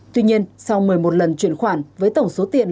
tuy nhiên sau một mươi một lần chuyển khoản với tổng số tiền